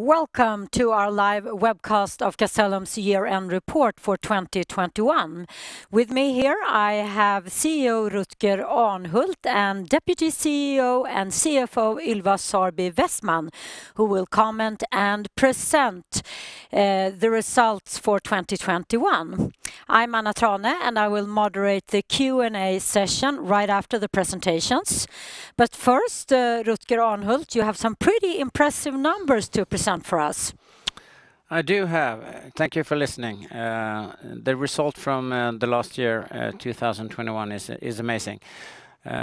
Welcome to our live webcast of Castellum's year-end report for 2021. With me here, I have CEO Rutger Arnhult and Deputy CEO and CFO Ylva Sörby Westman, who will comment and present the results for 2021. I'm Anna Thrän, and I will moderate the Q&A session right after the presentations. First, Rutger Arnhult, you have some pretty impressive numbers to present for us. I do have. Thank you for listening. The result from the last year, 2021, is amazing.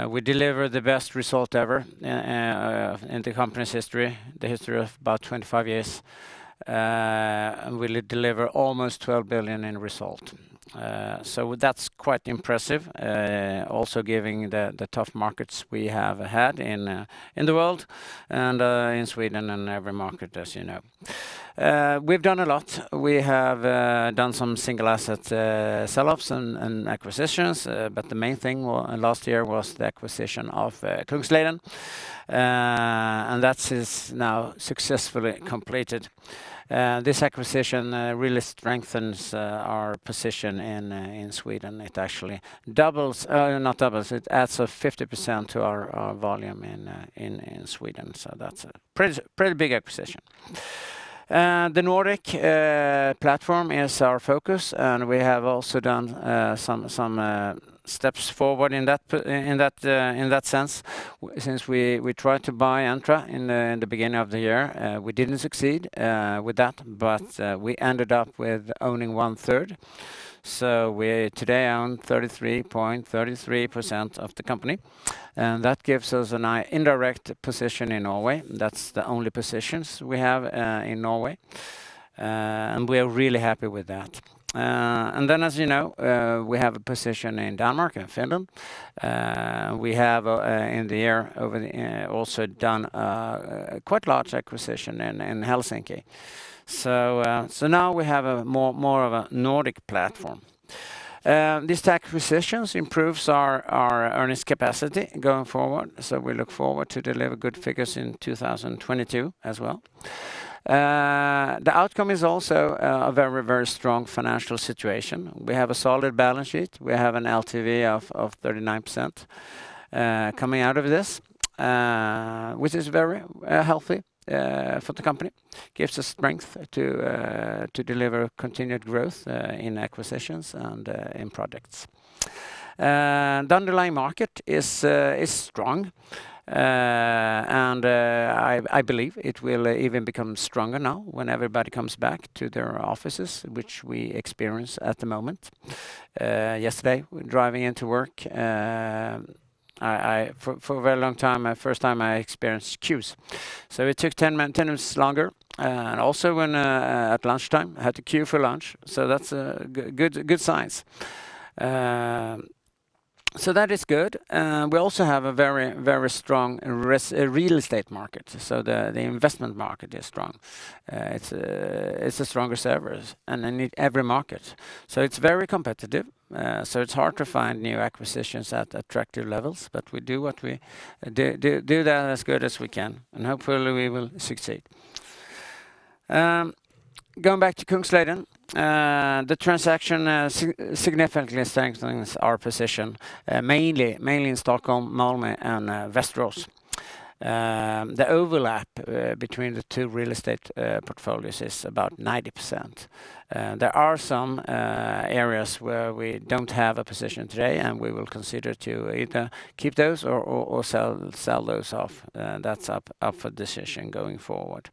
We delivered the best result ever in the company's history, the history of about 25 years. We deliver almost 12 billion in result. So that's quite impressive, also giving the tough markets we have had in the world and in Sweden and every market, as you know. We've done a lot. We have done some single asset sell-offs and acquisitions, but the main thing last year was the acquisition of Kungsleden, and that is now successfully completed. This acquisition really strengthens our position in Sweden. It actually doubles... Not doubles, it adds 50% to our volume in Sweden, so that's a pretty big acquisition. The Nordic platform is our focus, and we have also done some steps forward in that sense. Since we tried to buy Entra in the beginning of the year. We didn't succeed with that, but we ended up with owning one-third. We today own 33% of the company, and that gives us an indirect position in Norway. That's the only positions we have in Norway, and we are really happy with that. Then as you know, we have a position in Denmark, in Finland. We have in the year over the... We've also done quite large acquisition in Helsinki. Now we have more of a Nordic platform. These acquisitions improves our earnings capacity going forward, so we look forward to deliver good figures in 2022 as well. The outcome is also a very strong financial situation. We have a solid balance sheet. We have an LTV of 39%, coming out of this, which is very healthy for the company. Gives us strength to deliver continued growth in acquisitions and in projects. The underlying market is strong, and I believe it will even become stronger now when everybody comes back to their offices, which we experience at the moment. Yesterday, driving into work, I... For a very long time, first time I experienced queues. It took 10 minutes longer, and also when at lunchtime had to queue for lunch, so that's good signs. That is good. We also have a very strong real estate market, so the investment market is strong. It's the strongest ever, and in every market. It's very competitive, so it's hard to find new acquisitions at attractive levels, but we do what we do that as good as we can, and hopefully we will succeed. Going back to Kungsleden, the transaction significantly strengthens our position, mainly in Stockholm, Malmö, and Västerås. The overlap between the two real estate portfolios is about 90%. There are some areas where we don't have a position today, and we will consider to either keep those or sell those off. That's up for decision going forward.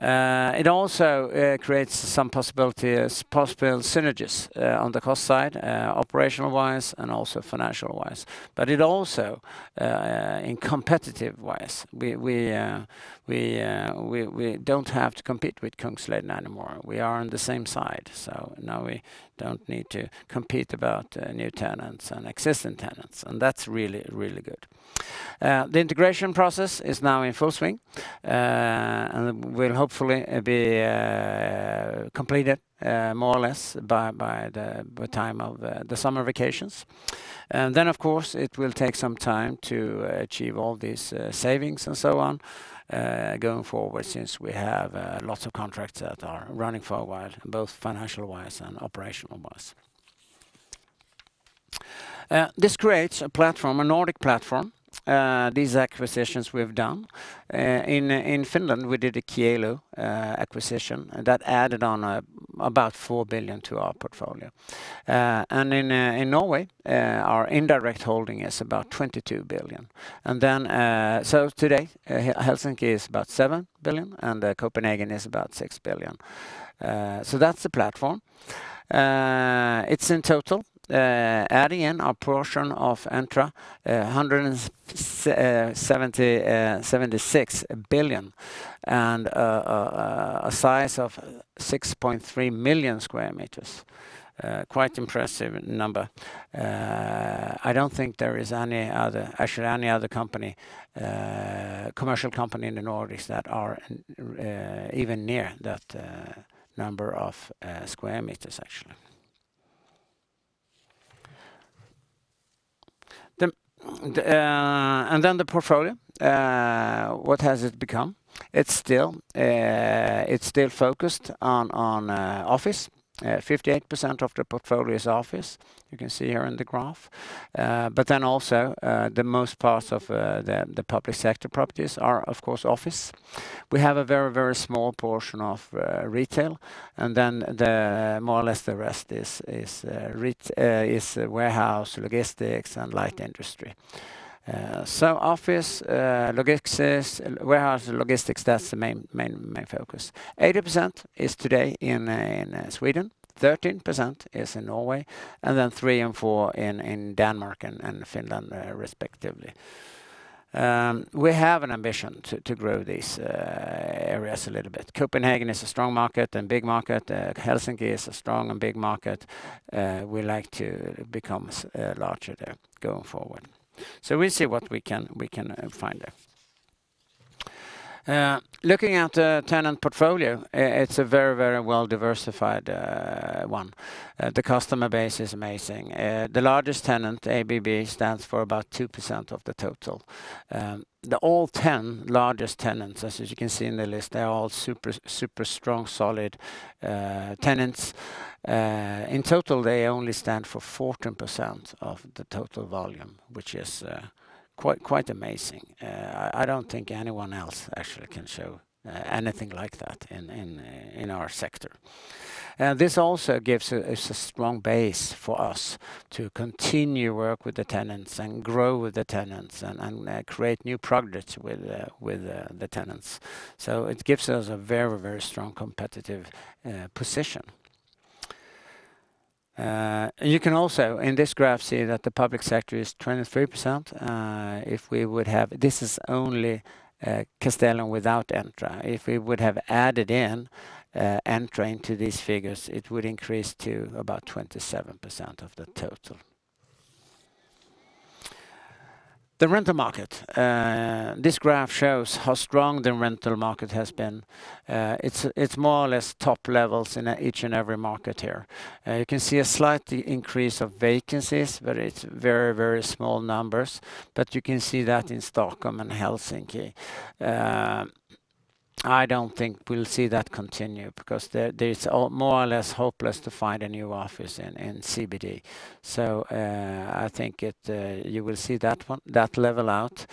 It also creates some possible synergies on the cost side, operational-wise and also financial-wise. It also, in competitive-wise, we don't have to compete with Kungsleden anymore. We are on the same side, so now we don't need to compete about new tenants and existing tenants, and that's really good. The integration process is now in full swing and will hopefully be completed more or less by the time of the summer vacations. Of course, it will take some time to achieve all these savings and so on, going forward since we have lots of contracts that are running for a while, both financial-wise and operational-wise. This creates a platform, a Nordic platform, these acquisitions we've done. In Finland, we did a Kielo acquisition that added on about 4 billion to our portfolio. In Norway, our indirect holding is about 22 billion. Today, Helsinki is about 7 billion, and Copenhagen is about 6 billion. So that's the platform. It's in total, adding in our portion of Entra, 76 billion and a size of 6.3 million sq m. Quite impressive number. I don't think there is any other, actually any other company, commercial company in the Nordics that are even near that number of square meters actually. Then the portfolio, what has it become? It's still focused on office. 58% of the portfolio is office. You can see here in the graph. But then also, the most part of the public sector properties are, of course, office. We have a very small portion of retail. Then more or less the rest is warehouse, logistics and light industry. So office, logistics and warehouse logistics, that's the main focus. 80% is today in Sweden, 13% is in Norway, and then three and four in Denmark and Finland, respectively. We have an ambition to grow these areas a little bit. Copenhagen is a strong market and big market. Helsinki is a strong and big market. We like to become larger there going forward. We'll see what we can find there. Looking at the tenant portfolio, it's a very well-diversified one. The customer base is amazing. The largest tenant, ABB, stands for about 2% of the total. The all ten largest tenants, as you can see in the list, they are all super strong, solid tenants. In total, they only stand for 14% of the total volume, which is quite amazing. I don't think anyone else actually can show anything like that in our sector. This also gives a strong base for us to continue work with the tenants and grow with the tenants and create new products with the tenants. It gives us a very strong competitive position. You can also in this graph see that the public sector is 23%. This is only Castellum without Entra. If we would have added in Entra into these figures, it would increase to about 27% of the total rental market. This graph shows how strong the rental market has been. It's more or less top levels in each and every market here. You can see a slight increase of vacancies, but it's very, very small numbers. You can see that in Stockholm and Helsinki. I don't think we'll see that continue because there's more or less hopeless to find a new office in CBD. I think you will see that level out.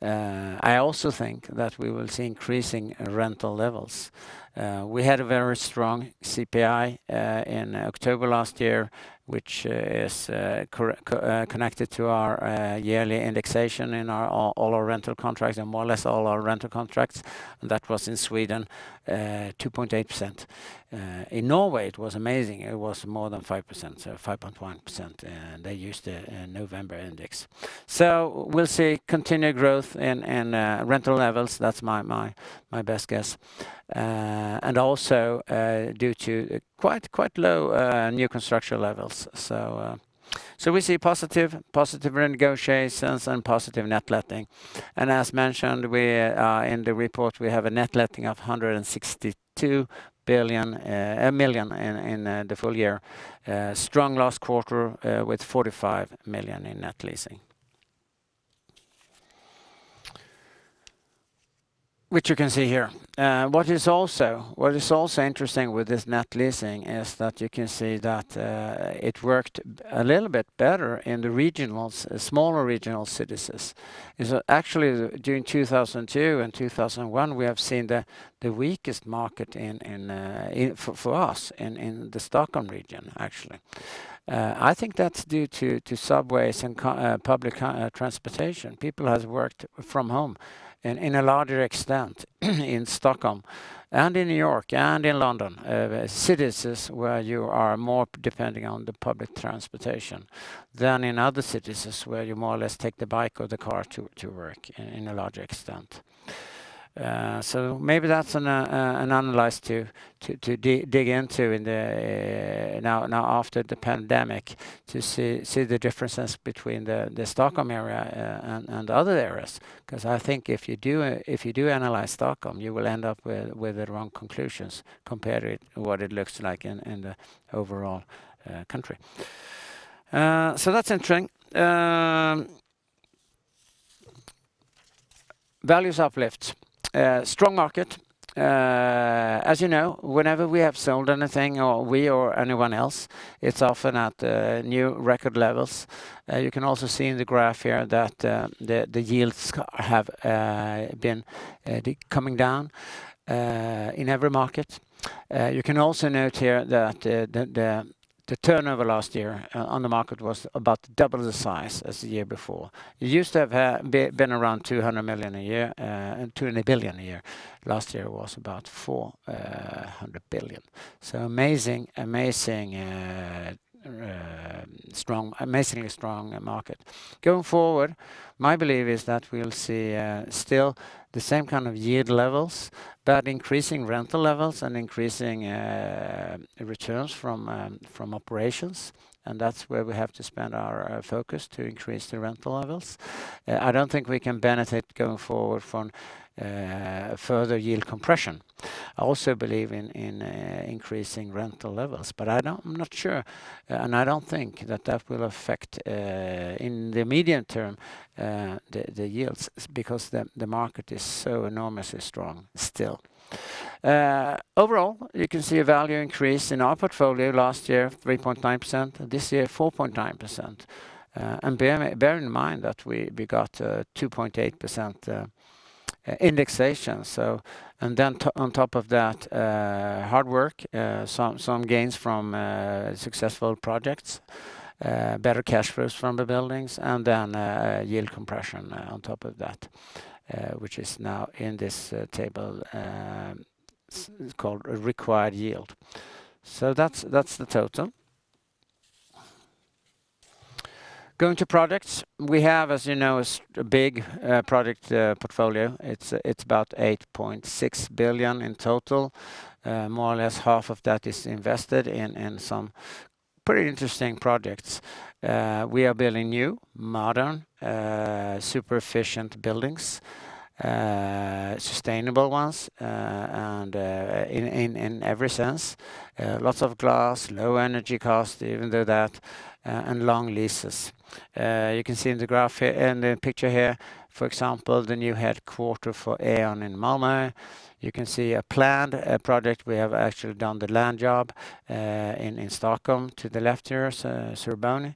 I also think that we will see increasing rental levels. We had a very strong CPI in October last year, which is connected to our yearly indexation in all our rental contracts and more or less all our rental contracts. That was in Sweden 2.8%. In Norway, it was amazing. It was more than 5%, so 5.1%. They used the November index. We'll see continued growth in rental levels. That's my best guess. Also, due to quite low new construction levels. We see positive renegotiations and positive net letting. As mentioned, we have in the report a net letting of 162 million in the full year. Strong last quarter with 45 million in net letting. Which you can see here. What is also interesting with this net letting is that you can see that it worked a little bit better in the regional, smaller regional cities. It was actually during 2002 and 2001, we have seen the weakest market in, for us, in the Stockholm region, actually. I think that's due to subways and public transportation. People has worked from home in a larger extent in Stockholm and in New York and in London. Cities where you are more depending on the public transportation than in other cities where you more or less take the bike or the car to work in a larger extent. Maybe that's an analysis to dig into now after the pandemic to see the differences between the Stockholm area and other areas. Because I think if you do analyze Stockholm, you will end up with the wrong conclusions compared with what it looks like in the overall country. That's interesting. Values uplift. Strong market. As you know, whenever we have sold anything or anyone else, it's often at new record levels. You can also see in the graph here that the yields have been coming down in every market. You can also note here that the turnover last year on the market was about double the size as the year before. It used to have been around 200 billion a year. Last year was about 400 billion. Amazingly strong market. Going forward, my belief is that we'll see still the same kind of yield levels. Increasing rental levels and increasing returns from operations, and that's where we have to spend our focus to increase the rental levels. I don't think we can benefit going forward from further yield compression. I also believe in increasing rental levels, but I'm not sure, and I don't think that will affect in the medium term the yields because the market is so enormously strong still. Overall, you can see a value increase in our portfolio last year, 3.9%, and this year, 4.9%. Bear in mind that we got 2.8% indexation. On top of that, hard work, some gains from successful projects, better cash flows from the buildings, and then yield compression on top of that, which is now in this table called required yield. That's the total. Going to projects, we have, as you know, a big project portfolio. It's about 8.6 billion in total. More or less half of that is invested in some pretty interesting projects. We are building new, modern, super efficient buildings, sustainable ones, and in every sense. Lots of glass, low energy cost, even though that, and long leases. You can see in the graph here, in the picture here, for example, the new headquarters for E.ON in Malmö. You can see a planned project. We have actually done the land job in Stockholm to the left here, Söderstaden.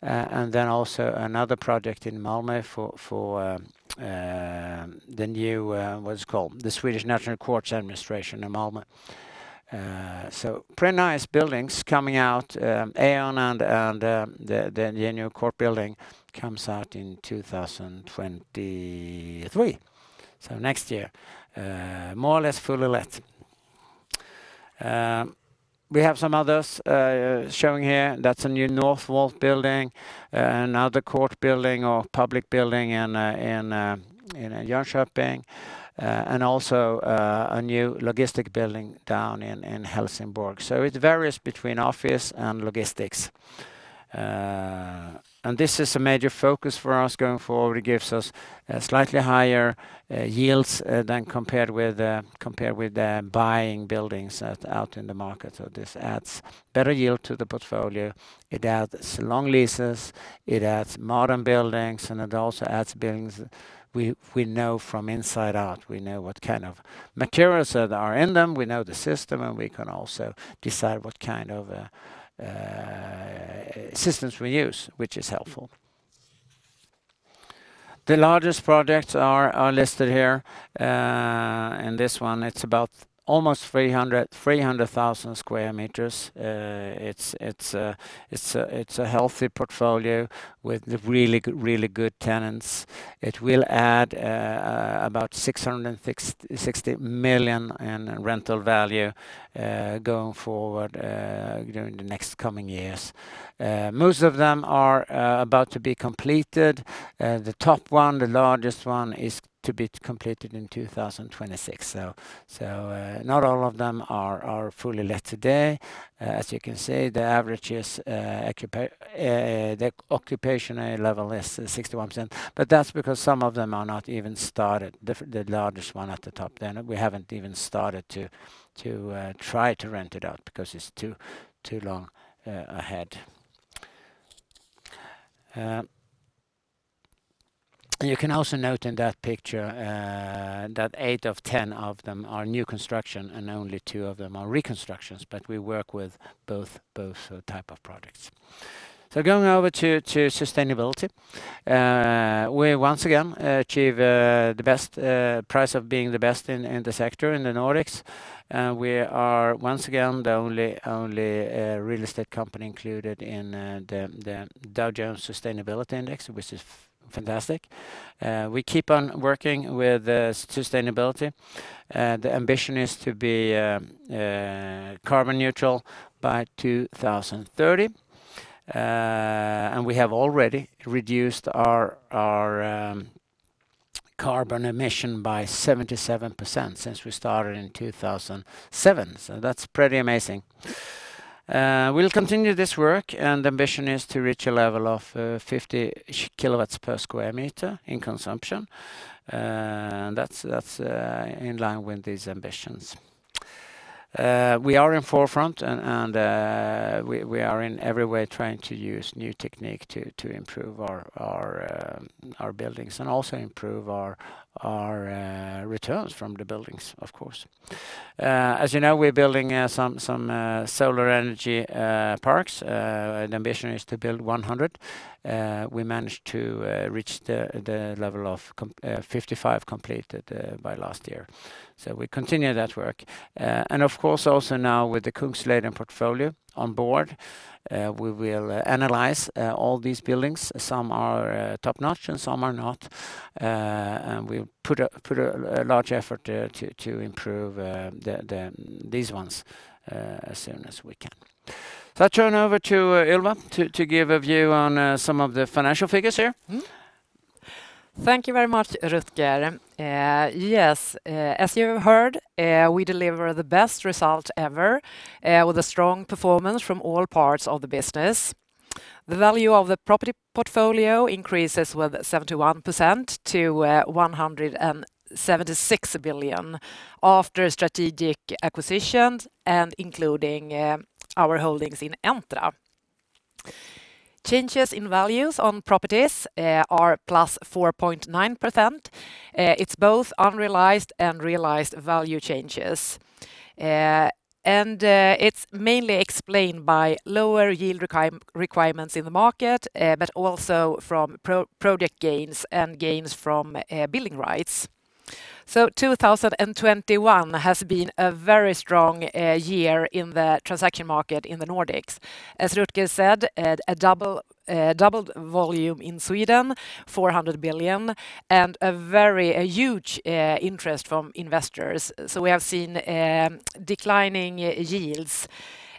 Then also another project in Malmö for the new, what's it called? The Swedish National Courts Administration in Malmö. Pretty nice buildings coming out. E.ON and the new court building comes out in 2023, so next year. More or less fully let. We have some others showing here. That's a new Norrtull building and another court building or public building in Jönköping, and also a new logistics building down in Helsingborg. It varies between office and logistics. This is a major focus for us going forward. It gives us slightly higher yields than compared with buying buildings out in the market. This adds better yield to the portfolio. It adds long leases, it adds modern buildings, and it also adds buildings we know from inside out. We know what kind of materials are in them, we know the system, and we can also decide what kind of systems we use, which is helpful. The largest projects are listed here. In this one, it's about almost 300,000 sq m. It's a healthy portfolio with really good tenants. It will add about 660 million in rental value going forward during the next coming years. Most of them are about to be completed. The top one, the largest one, is to be completed in 2026. Not all of them are fully let today. As you can see, the average is the occupation level is 61%, but that's because some of them are not even started. The largest one at the top there, we haven't even started to try to rent it out because it's too long ahead. You can also note in that picture that eight of 10 of them are new construction and only two of them are reconstructions, but we work with both type of projects. Going over to sustainability. We once again achieve the best prize of being the best in the sector in the Nordics. We are once again the only real estate company included in the Dow Jones Sustainability Index, which is fantastic. We keep on working with sustainability. The ambition is to be carbon neutral by 2030. We have already reduced our carbon emission by 77% since we started in 2007. That's pretty amazing. We'll continue this work, ambition is to reach a level of 50 kilowatts per sq m in consumption. That's in line with these ambitions. We are in the forefront and we are in every way trying to use new technique to improve our buildings and also improve our returns from the buildings, of course. As you know, we're building some solar energy parks. The ambition is to build 100. We managed to reach the level of 55 completed by last year. We continue that work. Of course, also now with the Kungsleden portfolio on board, we will analyze all these buildings. Some are top-notch, and some are not. We put a large effort there to improve these ones as soon as we can. I turn over to Ylva to give a view on some of the financial figures here. Thank you very much, Rutger. Yes, as you heard, we deliver the best result ever, with a strong performance from all parts of the business. The value of the property portfolio increases with 71% to 176 billion after strategic acquisitions and including our holdings in Entra. Changes in values on properties are +4.9%. It's both unrealized and realized value changes. It's mainly explained by lower yield requirements in the market, but also from project gains and gains from building rights. 2021 has been a very strong year in the transaction market in the Nordics. As Rutger said, a doubled volume in Sweden, 400 billion, and a very huge interest from investors. We have seen declining yields,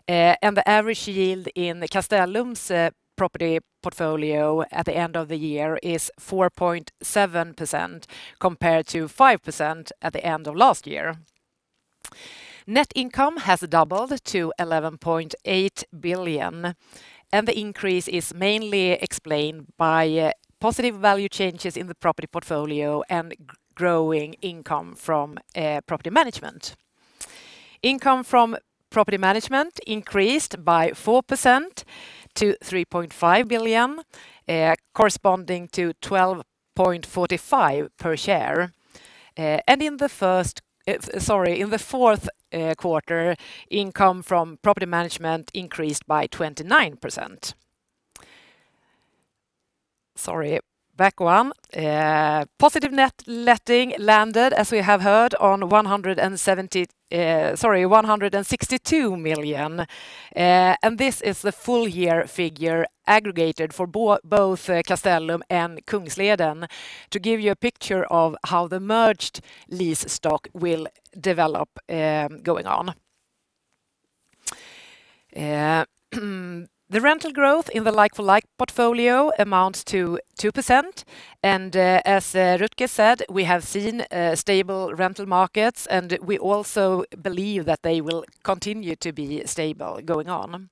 and the average yield in Castellum's property portfolio at the end of the year is 4.7% compared to 5% at the end of last year. Net income has doubled to 11.8 billion, and the increase is mainly explained by positive value changes in the property portfolio and growing income from property management. Income from property management increased by 4% to 3.5 billion, corresponding to 12.45 per share. In the fourth quarter, income from property management increased by 29%. Positive net letting landed, as we have heard, on 162 million. This is the full-year figure aggregated for both Castellum and Kungsleden to give you a picture of how the merged lease stock will develop going on. The rental growth in the like-for-like portfolio amounts to 2%. As Rutger said, we have seen stable rental markets, and we also believe that they will continue to be stable going on.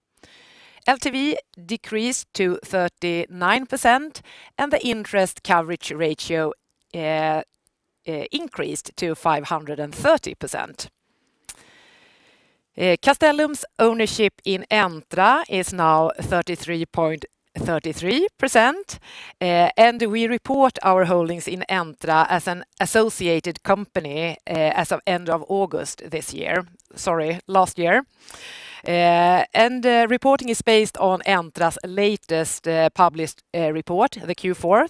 LTV decreased to 39%, and the interest coverage ratio increased to 530%. Castellum's ownership in Entra is now 33.33%. We report our holdings in Entra as an associated company as of end of August this year. Sorry, last year. The reporting is based on Entra's latest published report, the Q4.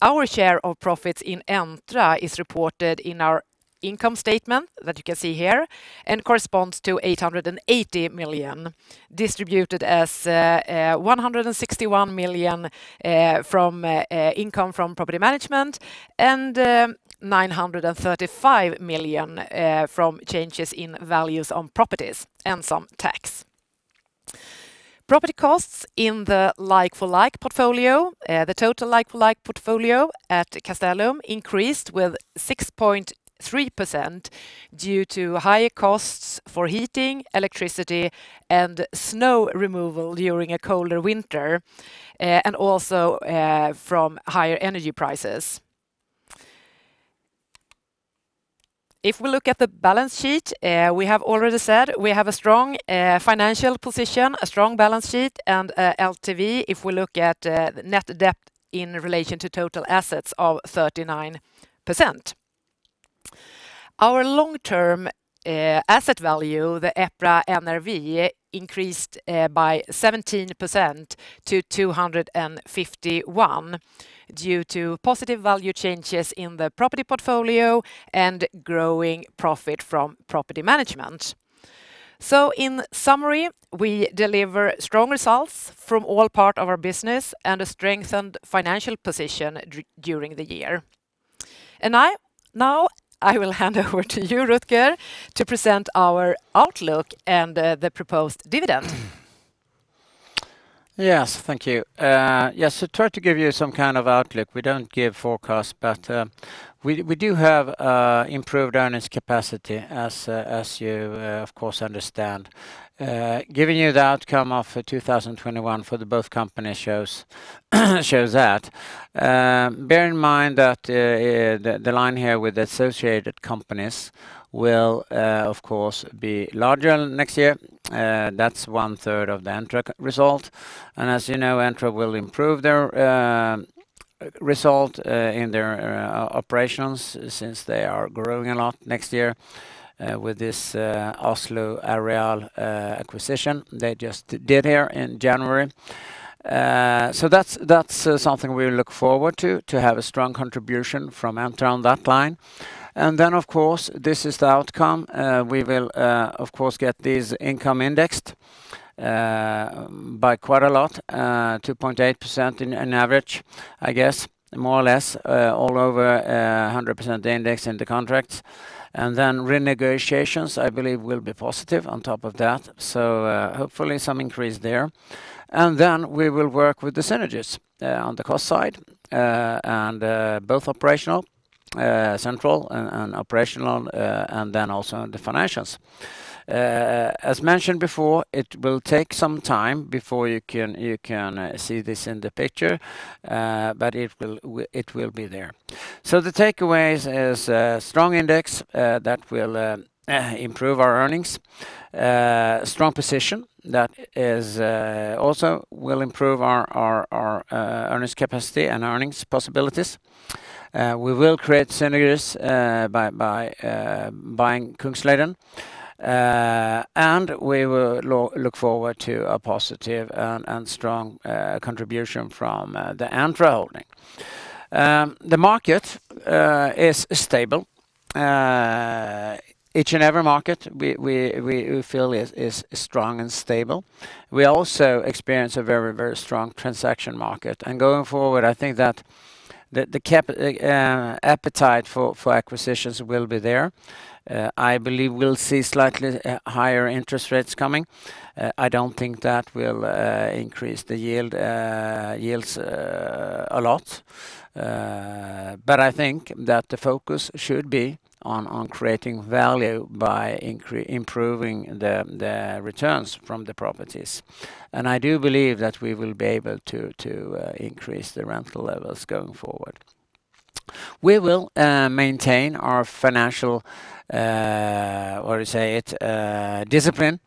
Our share of profits in Entra is reported in our income statement that you can see here and corresponds to 800 million, distributed as, 161 million from income from property management and 935 million from changes in values on properties and some tax. Property costs in the like-for-like portfolio, the total like-for-like portfolio at Castellum increased with 6.3% due to higher costs for heating, electricity, and snow removal during a colder winter, and also from higher energy prices. If we look at the balance sheet, we have already said we have a strong financial position, a strong balance sheet, and a LTV, if we look at net debt in relation to total assets of 39%. Our long-term asset value, the EPRA NRV, increased by 17% to 251 due to positive value changes in the property portfolio and growing profit from property management. In summary, we deliver strong results from all part of our business and a strengthened financial position during the year. Now, I will hand over to you, Rutger, to present our outlook and the proposed dividend. Yes. Thank you. Yes. Try to give you some kind of outlook. We don't give forecasts, but we do have improved earnings capacity as you of course understand. Giving you the outcome of 2021 for the whole company shows that. Bear in mind that the line here with the associated companies will of course be larger next year. That's one-third of the Entra result. As you know, Entra will improve their result in their operations since they are growing a lot next year with this Oslo Areal acquisition they just did here in January. That's something we look forward to have a strong contribution from Entra on that line. Of course, this is the outcome. We will, of course, get this income indexed by quite a lot, 2.8% in an average, I guess. More or less, all over, 100% index in the contracts. Renegotiations, I believe, will be positive on top of that. Hopefully some increase there. We will work with the synergies on the cost side, and both operational, central and operational, and then also the financials. As mentioned before, it will take some time before you can see this in the picture, but it will be there. The takeaways is strong index that will improve our earnings. Strong position that is also will improve our earnings capacity and earnings possibilities. We will create synergies by buying Kungsleden. We will look forward to a positive year and strong contribution from the Entra holding. The market is stable. Each and every market we feel is strong and stable. We also experience a very strong transaction market. Going forward, I think that the capital appetite for acquisitions will be there. I believe we'll see slightly higher interest rates coming. I don't think that will increase the yields a lot. But I think that the focus should be on creating value by improving the returns from the properties. I do believe that we will be able to increase the rental levels going forward. We will maintain our financial discipline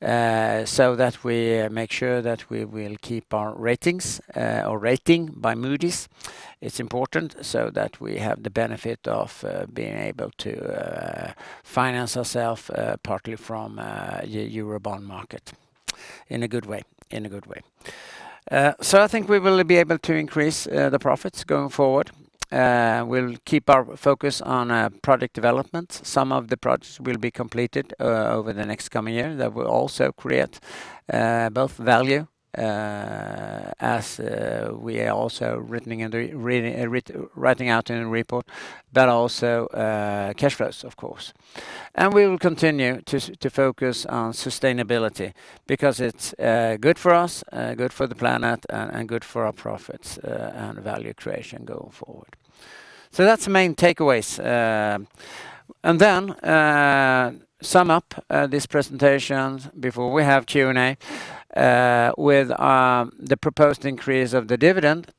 so that we make sure that we will keep our rating by Moody's. It's important so that we have the benefit of being able to finance ourselves partly from the Eurobond market in a good way, in a good way. I think we will be able to increase the profits going forward. We'll keep our focus on product development. Some of the products will be completed over the next coming year that will also create both value as is also written in the report, but also cash flows, of course. We will continue to focus on sustainability because it's good for us, good for the planet, and good for our profits and value creation going forward. That's the main takeaways. To sum up this presentation before we have Q&A with the proposed increase of the dividend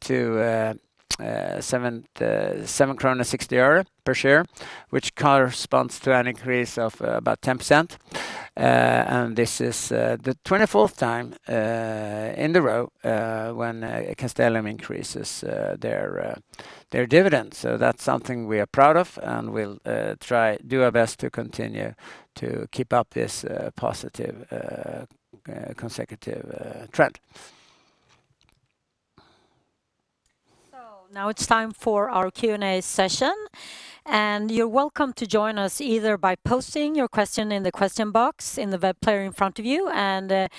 to SEK 7.60 per share, which corresponds to an increase of about 10%. This is the 24th time in a row when Castellum increases their dividends. That's something we are proud of, and we'll try to do our best to continue to keep up this positive consecutive trend. Now it's time for our Q&A session, and you're welcome to join us either by posting your question in the question box in the web player in front of you, and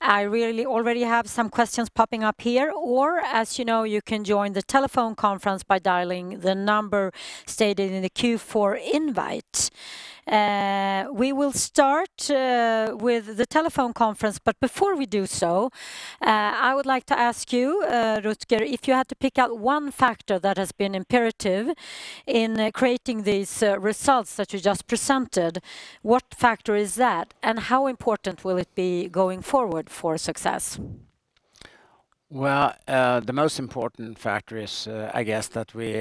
I really already have some questions popping up here, or as you know, you can join the telephone conference by dialing the number stated in the Q4 invite. We will start with the telephone conference. Before we do so, I would like to ask you, Rutger, if you had to pick out one factor that has been imperative in creating these results that you just presented, what factor is that, and how important will it be going forward for success? Well, the most important factor is, I guess, that we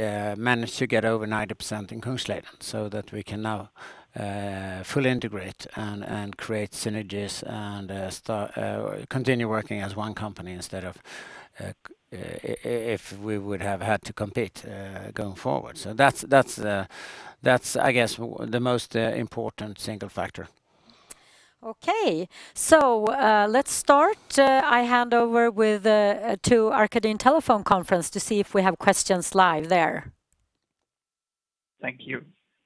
managed to get over 90% in Kungsleden so that we can now fully integrate and create synergies and continue working as one company instead of if we would have had to compete going forward. That's, I guess, the most important single factor. Okay. Let's start. I hand over to our operator telephone conference to see if we have questions live there. Thank you.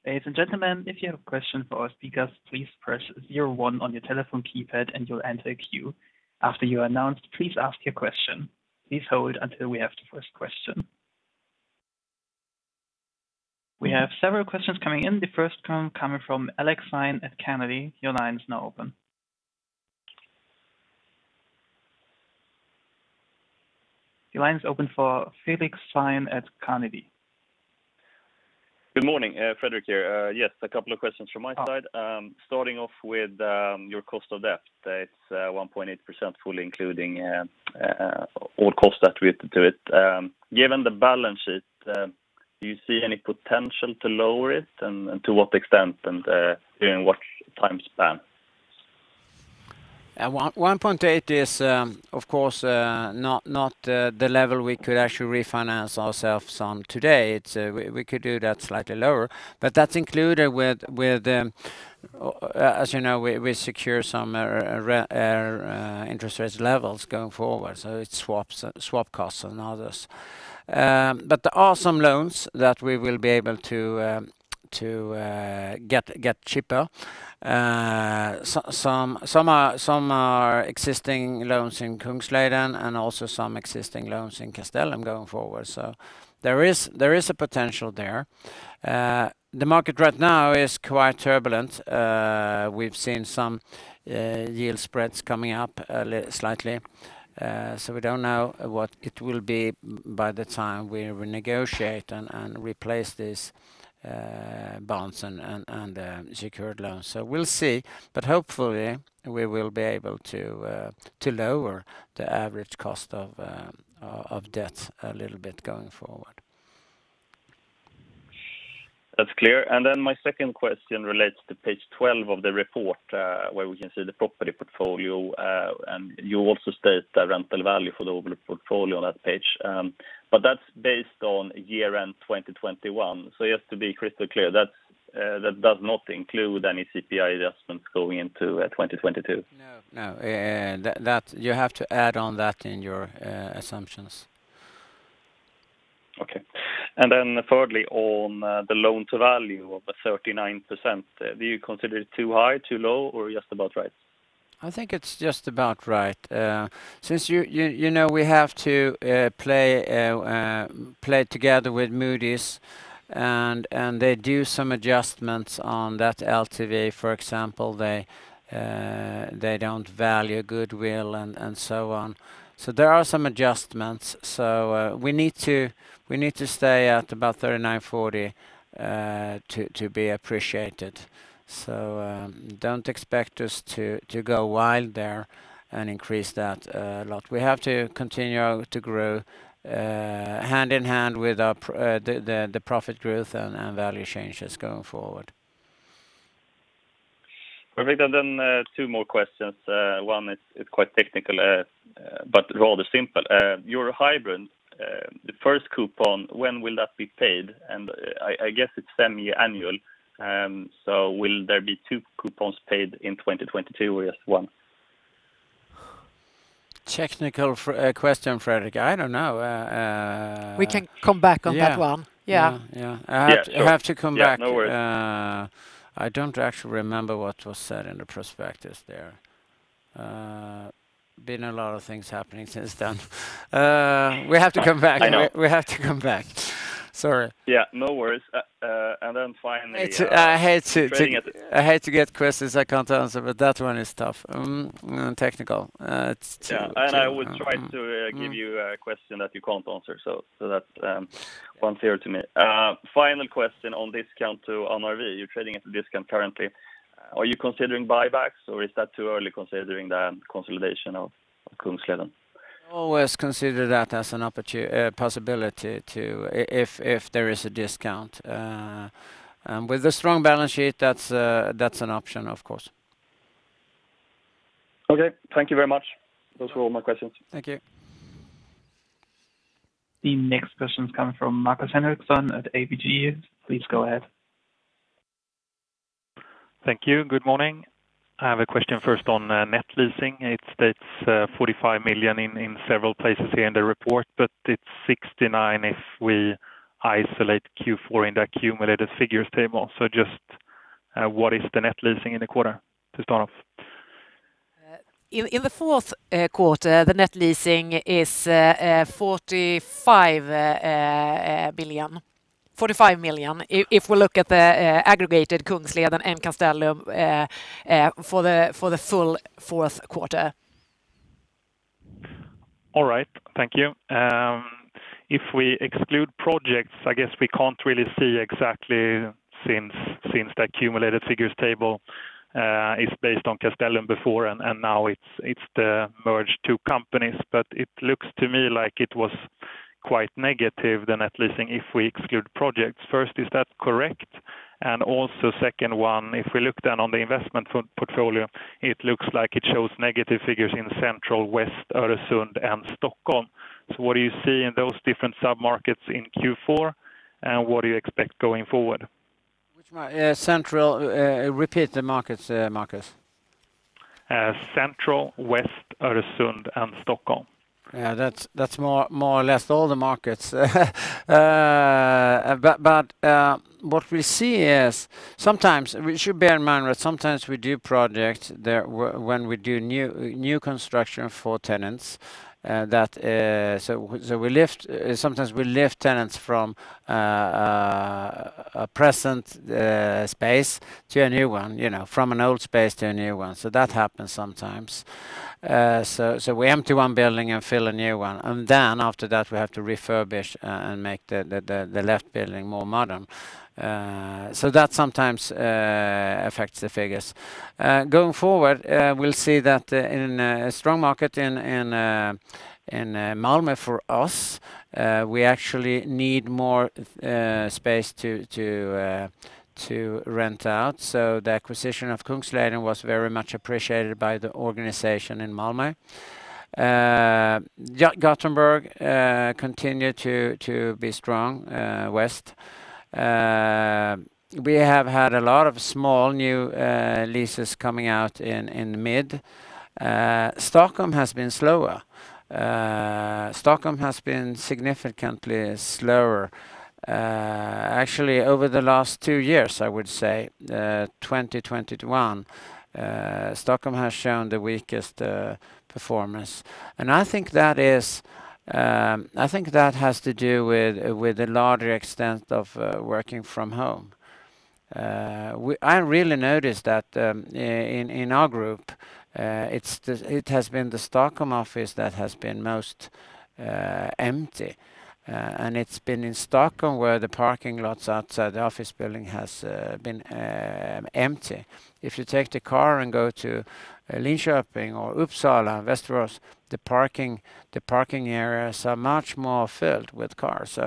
Ladies and gentlemen, if you have a question for our speakers, please press zero one on your telephone keypad and you'll enter a queue. After you are announced, please ask your question. Please hold until we have the first question. We have several questions coming in. The first coming from Fredrik Stensved at Carnegie. Your line is now open. Your line is open for Fredrik Stensved at Carnegie. Good morning. Fredrik here. Yes, a couple of questions from my side. Starting off with your cost of debt. It's 1.8% fully including all costs attributed to it. Given the balance sheet, do you see any potential to lower it, and to what extent, and during what time span? 1.8% is, of course, not the level we could actually refinance ourselves on today. We could do that slightly lower. That's included with, as you know, we secure some interest rates levels going forward. It's swaps, swap costs and others. There are some loans that we will be able to get cheaper. Some are existing loans in Kungsleden and also some existing loans in Castellum going forward. There is a potential there. The market right now is quite turbulent. We've seen some yield spreads coming up slightly. We don't know what it will be by the time we renegotiate and replace these bonds and secured loans. We'll see. Hopefully we will be able to lower the average cost of debt a little bit going forward. That's clear. My second question relates to page 12 of the report, where we can see the property portfolio. You also state the rental value for the overall portfolio on that page. That's based on year-end 2021. Just to be crystal clear, that does not include any CPI adjustments going into 2022? No, no. That, you have to add on that in your assumptions. Okay, thirdly, on the loan-to-value of 39%, do you consider it too high, too low, or just about right? I think it's just about right. Since you know we have to play together with Moody's, and they do some adjustments on that LTV. For example, they don't value goodwill and so on. There are some adjustments. We need to stay at about 39%-40% to be appreciated. Don't expect us to go wild there and increase that a lot. We have to continue to grow hand-in-hand with the profit growth and value changes going forward. Perfect. Two more questions. One is quite technical, but rather simple. Your hybrid, the first coupon, when will that be paid? I guess it's semi-annual. Will there be two coupons paid in 2022 or just one? Technical question, Fredrik. I don't know. We can come back on that one. Yeah. Yeah. Yeah. Yeah. I have to come back. Yeah, no worries. I don't actually remember what was said in the prospectus there. There's been a lot of things happening since then. We have to come back. I know. We have to come back. Sorry. Yeah, no worries. Finally, I hate to. Trading at I hate to get questions I can't answer, but that one is tough. Technical. It's too too- Yeah. I always try to Mm-hmm... give you a question that you can't answer. That's one theory to me. Final question on discount to NRV. You're trading at a discount currently. Are you considering buybacks, or is that too early considering the consolidation of Kungsleden? Always consider that as a possibility if there is a discount. With a strong balance sheet, that's an option, of course. Okay. Thank you very much. Those were all my questions. Thank you. The next question comes from Markus Henriksson at ABG. Please go ahead. Thank you. Good morning. I have a question first on net letting. It states 45 million in several places here in the report, but it's 69 million if we isolate Q4 in the cumulative figures table. Just what is the net letting in the quarter to start off? In the fourth quarter, the net letting is 45 million. If we look at the aggregated Kungsleden and Castellum for the full fourth quarter. All right. Thank you. If we exclude projects, I guess we can't really see exactly since the accumulated figures table is based on Castellum before, and now it's the merged two companies. It looks to me like it was quite negative, the net letting, if we exclude projects first. Is that correct? Also, second one, if we look down on the investment portfolio, it looks like it shows negative figures in Central, West, Öresund, and Stockholm. What do you see in those different sub-markets in Q4, and what do you expect going forward? Which market? Yeah, repeat the markets, Markus. Central, West, Öresund, and Stockholm. That's more or less all the markets. What we see is sometimes we should bear in mind that sometimes we do projects there when we do new construction for tenants, that we sometimes lift tenants from a present space to a new one, you know, from an old space to a new one. That happens sometimes. We empty one building and fill a new one, and then after that, we have to refurbish and make the left building more modern. That sometimes affects the figures. Going forward, we'll see that in a strong market in Malmö for us. We actually need more space to rent out. The acquisition of Kungsleden was very much appreciated by the organization in Malmö. Gothenburg continues to be strong west. We have had a lot of small new leases coming out in mid. Stockholm has been slower. Stockholm has been significantly slower. Actually over the last two years, I would say, 2021, Stockholm has shown the weakest performance. I think that has to do with the larger extent of working from home. I really noticed that in our group, it has been the Stockholm office that has been most empty. It has been in Stockholm where the parking lots outside the office building has been empty. If you take the car and go to Linköping or Uppsala, Västerås, the parking areas are much more filled with cars.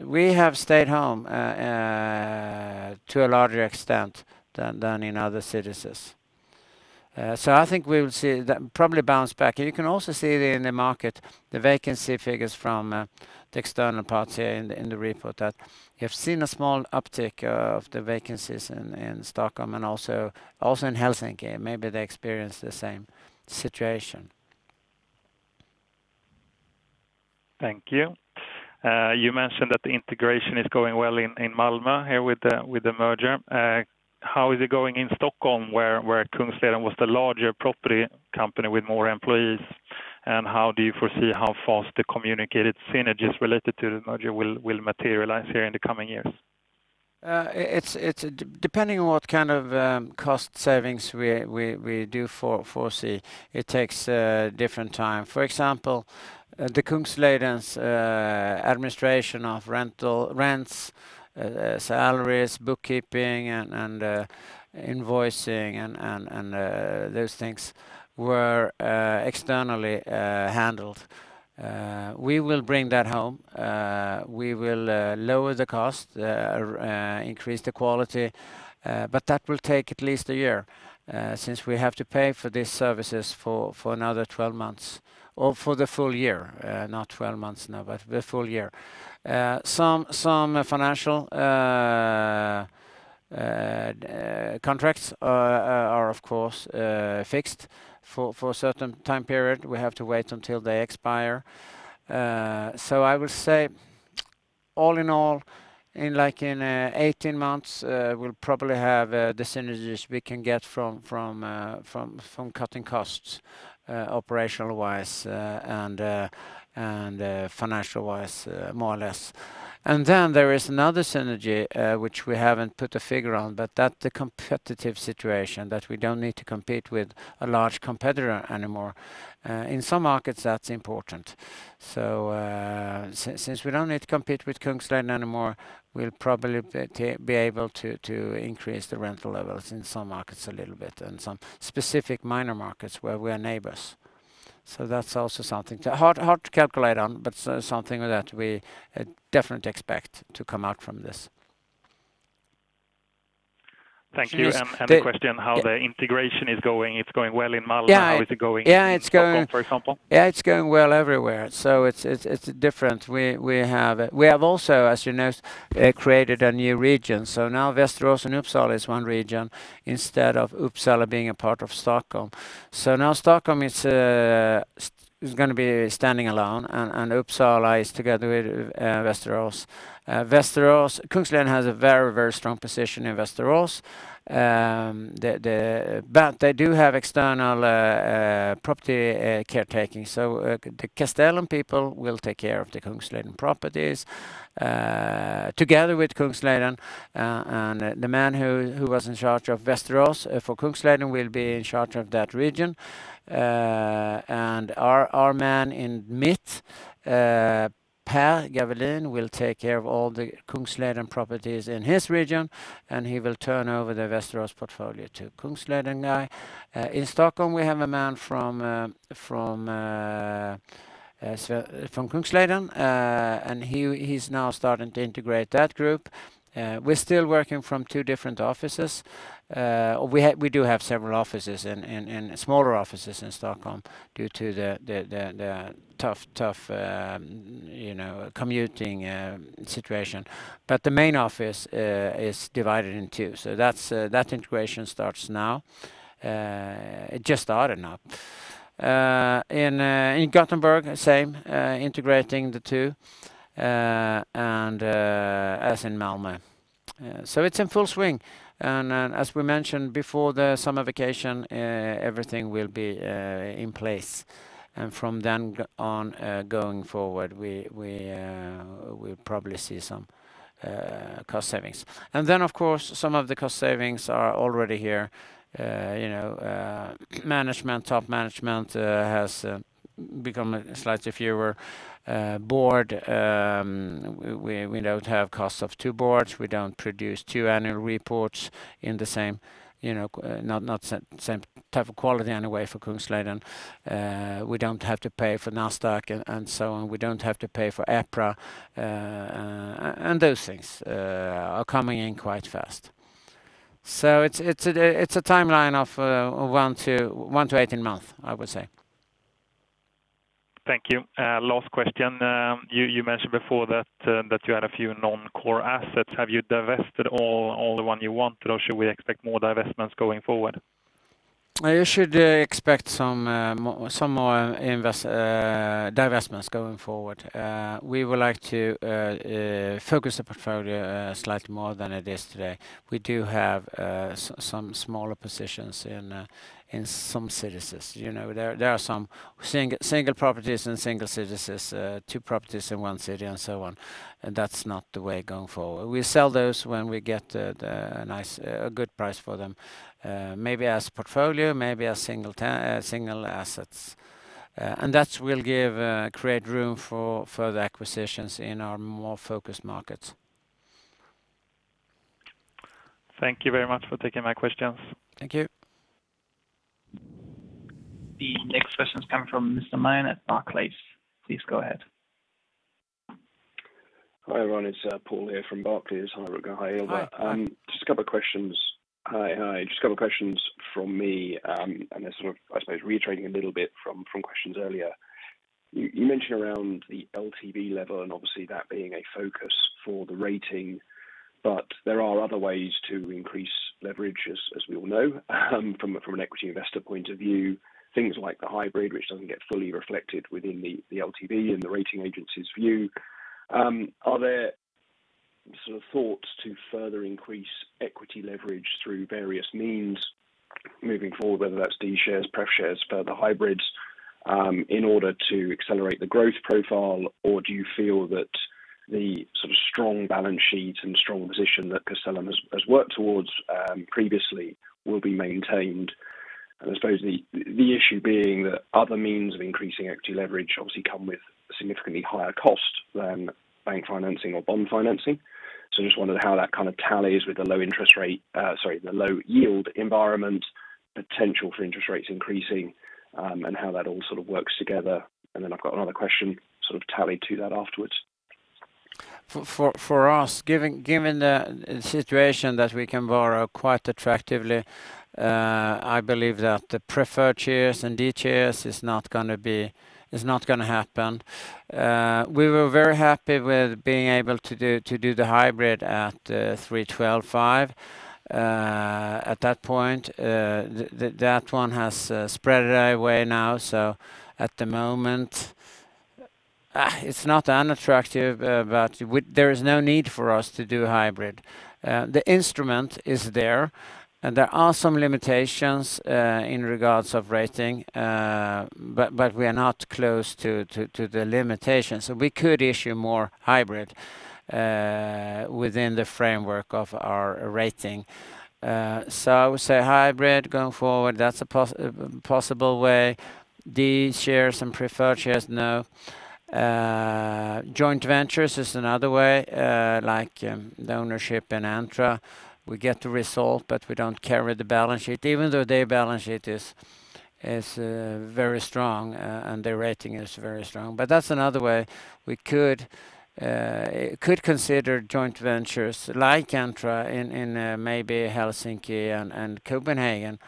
We have stayed home to a larger extent than in other cities. I think we will see that probably bounce back. You can also see it in the market, the vacancy figures from the external parts here in the report that you have seen a small uptick of the vacancies in Stockholm and also in Helsinki. Maybe they experience the same situation. Thank you. You mentioned that the integration is going well in Malmö here with the merger. How is it going in Stockholm where Kungsleden was the larger property company with more employees? How do you foresee how fast the communicated synergies related to the merger will materialize here in the coming years? It's depending on what kind of cost savings we foresee, it takes different time. For example, the Kungsleden's administration of rental rents, salaries, bookkeeping and invoicing and those things were externally handled. We will bring that home. We will lower the cost, increase the quality, but that will take at least a year, since we have to pay for these services for another 12 months or for the full year, not 12 months, no, but the full year. Some financial contracts are of course fixed for a certain time period. We have to wait until they expire. I will say all in all, in 18 months, we'll probably have the synergies we can get from cutting costs, operational-wise, and financial-wise, more or less. Then there is another synergy, which we haven't put a figure on, but that the competitive situation that we don't need to compete with a large competitor anymore. In some markets, that's important. Since we don't need to compete with Kungsleden anymore, we'll probably be able to increase the rental levels in some markets a little bit and some specific minor markets where we are neighbors. That's also something hard to calculate on, but something that we definitely expect to come out from this. Thank you. Just- The question is how the integration is going. It's going well in Malmö. Yeah. How is it going in Stockholm, for example? Yeah, it's going well everywhere. It's different. We have also, as you noticed, created a new region. Now Västerås and Uppsala is one region instead of Uppsala being a part of Stockholm. Now Stockholm is gonna be standing alone and Uppsala is together with Västerås. Västerås, Kungsleden has a very strong position in Västerås. They do have external property caretaking. The Castellum people will take care of the Kungsleden properties together with Kungsleden and the man who was in charge of Västerås for Kungsleden will be in charge of that region. Our man in Mitt, Per Gawelin, will take care of all the Kungsleden properties in his region, and he will turn over the Västerås portfolio to Kungsleden guy. In Stockholm, we have a man from Kungsleden, and he is now starting to integrate that group. We're still working from two different offices. We do have several offices in smaller offices in Stockholm due to the tough, you know, commuting situation. The main office is divided in two. That integration starts now. It just started now. In Gothenburg, same, integrating the two, and as in Malmö. It's in full swing. As we mentioned before the summer vacation, everything will be in place. From then on, going forward, we'll probably see some cost savings. Of course, some of the cost savings are already here. You know, management, top management, has become a slightly fewer board. We don't have costs of two boards. We don't produce two annual reports in the same, you know, not same type of quality anyway for Kungsleden. We don't have to pay for Nasdaq and so on. We don't have to pay for EPRA, and those things are coming in quite fast. It's a timeline of one to 18 months, I would say. Thank you. Last question. You mentioned before that you had a few non-core assets. Have you divested all the one you want, or should we expect more divestments going forward? You should expect some more divestments going forward. We would like to focus the portfolio slightly more than it is today. We do have some smaller positions in some cities. You know, there are some single properties in single cities, two properties in one city and so on. That's not the way going forward. We sell those when we get a good price for them, maybe as portfolio, maybe as single assets. That will create room for further acquisitions in our more focused markets. Thank you very much for taking my questions. Thank you. The next question is coming from Mr. May at Barclays. Please go ahead. Hi, everyone. It's Paul here from Barclays. Hi, Rutger. Hi, Ylva. Hi. Just a couple of questions. Hi. Just a couple of questions from me, and they're sort of, I suppose, reiterating a little bit from questions earlier. You mentioned around the LTV level, and obviously that being a focus for the rating, but there are other ways to increase leverage as we all know from an equity investor point of view, things like the hybrid, which doesn't get fully reflected within the LTV and the rating agency's view. Are there sort of thoughts to further increase equity leverage through various means moving forward, whether that's D shares, pref shares, further hybrids, in order to accelerate the growth profile? Or do you feel that the sort of strong balance sheet and strong position that Castellum has worked towards previously will be maintained? I suppose the issue being that other means of increasing equity leverage obviously come with significantly higher cost than bank financing or bond financing. Just wondering how that kind of tallies with the low interest rate, sorry, the low yield environment, potential for interest rates increasing, and how that all sort of works together. I've got another question sort of tied to that afterwards. For us, given the situation that we can borrow quite attractively, I believe that the preferred shares and D shares is not gonna happen. We were very happy with being able to do the hybrid at 3.125%. At that point, that one has spread away now. At the moment, it's not unattractive, but there is no need for us to do a hybrid. The instrument is there, and there are some limitations in regards to rating, but we are not close to the limitations. We could issue more hybrid within the framework of our rating. I would say hybrid going forward, that's a possible way. D shares and preferred shares, no. Joint ventures is another way, like, the ownership in Entra. We get the result, but we don't carry the balance sheet, even though their balance sheet is very strong, and their rating is very strong. That's another way we could consider joint ventures like Entra in maybe Helsinki and Copenhagen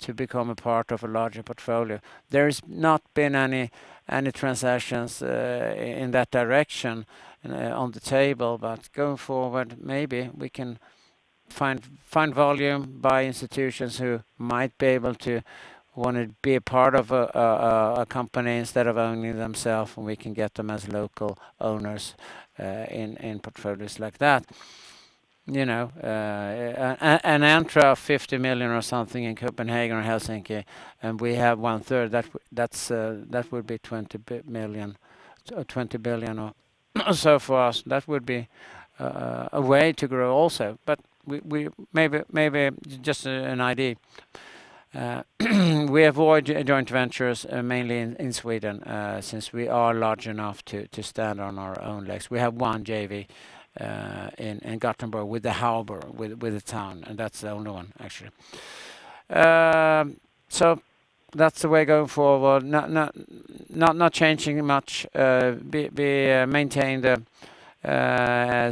to become a part of a larger portfolio. There's not been any transactions in that direction on the table, but going forward, maybe we can find volume by institutions who might be able to wanna be a part of a company instead of owning themselves, and we can get them as local owners in portfolios like that. You know, an Entra of 50 million or something in Copenhagen or Helsinki, and we have one-third, that would be 20 billion. For us, that would be a way to grow also. We maybe just an idea. We avoid joint ventures mainly in Sweden, since we are large enough to stand on our own legs. We have one JV in Gothenburg with the harbor, with the town, and that's the only one actually. That's the way going forward. Not changing much. We maintain the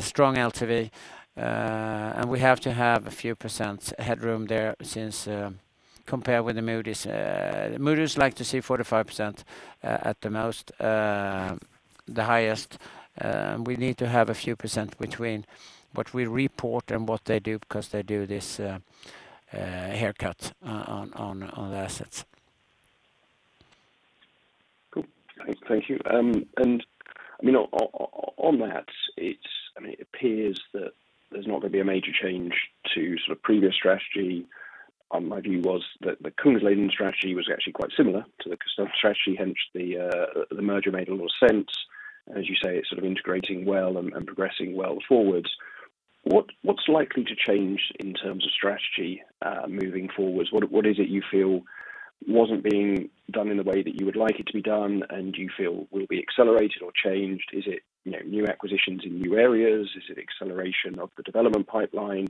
strong LTV, and we have to have a few percent headroom there since compared with Moody's. Moody's like to see 45% at the most, the highest. We need to have a few % between what we report and what they do because they do this haircut on the assets. Cool. Thank you. You know, on that, it's I mean, it appears that there's not going to be a major change to sort of previous strategy. My view was that the Kungsleden strategy was actually quite similar to the Castellum strategy, hence the merger made a lot of sense. As you say, it's sort of integrating well and progressing well forward. What's likely to change in terms of strategy moving forward? What is it you feel wasn't being done in the way that you would like it to be done and you feel will be accelerated or changed? Is it, you know, new acquisitions in new areas? Is it acceleration of the development pipeline?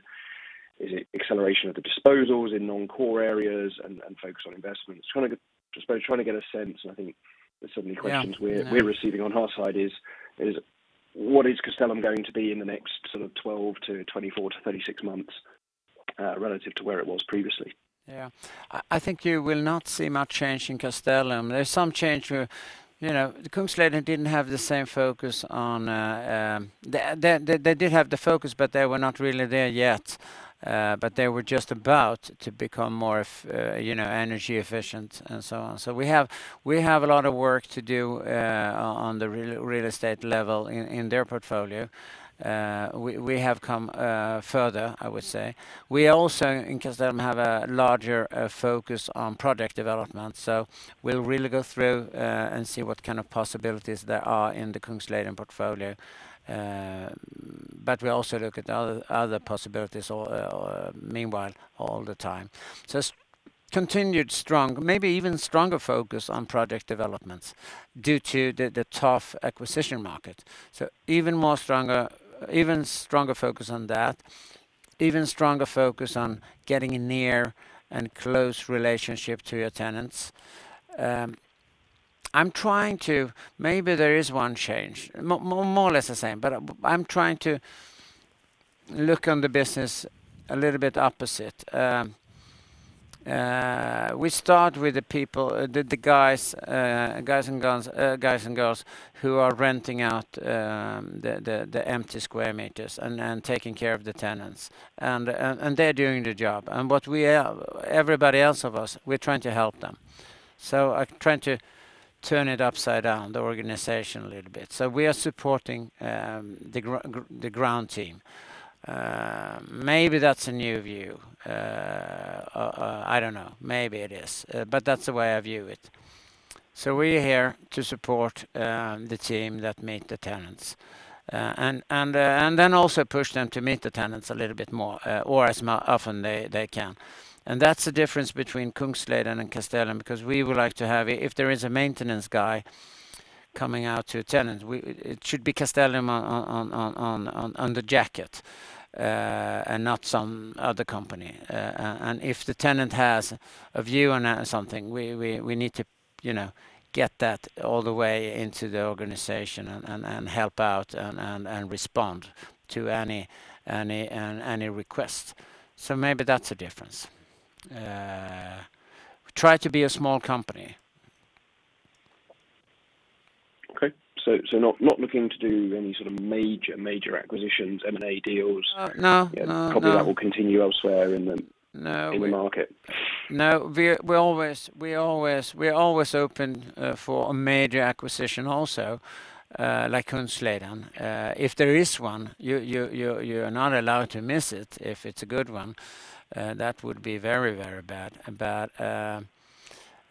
Is it acceleration of the disposals in non-core areas and focus on investments? Trying to get. I suppose trying to get a sense, and I think there's so many questions. Yeah. What is Castellum going to be in the next sort of 12 to 24 to 36 months, relative to where it was previously? Yeah. I think you will not see much change in Castellum. There's some change where, you know, the Kungsleden didn't have the same focus on. They did have the focus, but they were not really there yet. They were just about to become more energy efficient and so on. We have a lot of work to do on the real estate level in their portfolio. We have come further, I would say. We also in Castellum have a larger focus on project development. We'll really go through and see what kind of possibilities there are in the Kungsleden portfolio. We also look at other possibilities or meanwhile all the time. Continued strong, maybe even stronger focus on project developments due to the tough acquisition market. Even stronger focus on that, even stronger focus on getting near and close relationship to your tenants. I'm trying to. Maybe there is one change. More or less the same, but I'm trying to look on the business a little bit opposite. We start with the people, the guys and girls who are renting out the empty square meters and taking care of the tenants. They're doing their job. What we are, everybody else of us, we're trying to help them. I try to turn it upside down, the organization a little bit. We are supporting the ground team. Maybe that's a new view. I don't know. Maybe it is. That's the way I view it. We're here to support the team that meet the tenants and then also push them to meet the tenants a little bit more, or as often they can. That's the difference between Kungsleden and Castellum, because we would like to have. If there is a maintenance guy coming out to a tenant, it should be Castellum on the jacket, and not some other company. If the tenant has a view on something, we need to, you know, get that all the way into the organization and help out and respond to any requests. Maybe that's a difference. Try to be a small company. Okay. Not looking to do any sort of major acquisitions, M&A deals? No. Yeah. Probably that will continue elsewhere in the No in the market. No. We are always open for a major acquisition also, like Kungsleden. If there is one, you are not allowed to miss it if it's a good one. That would be very bad.